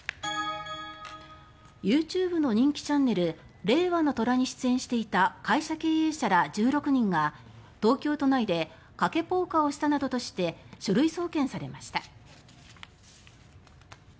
ＹｏｕＴｕｂｅの人気チャンネル「令和の虎」に出演していた会社経営者ら１６人が東京都内で賭けポーカーをしたなどとして書類送検されました。